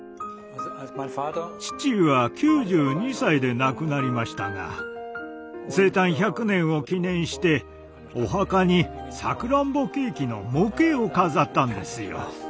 父は９２歳で亡くなりましたが生誕１００年を記念してお墓にさくらんぼケーキの模型を飾ったんですよ。